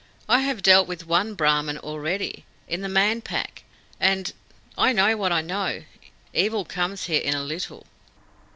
"I have dealt with one Brahmin already, in the Man Pack, and I know what I know. Evil comes here in a little."